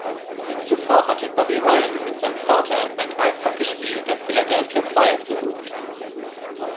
Zuvor hatte Bobby Ryan mit seinem Vater ein Eishockeyspiel der Philadelphia Flyers besucht.